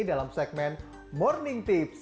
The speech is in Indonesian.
dalam segmen morning tips